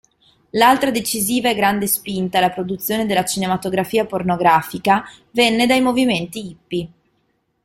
L'altra decisiva e grande spinta alla produzione della cinematografia pornografica venne dai movimenti hippy.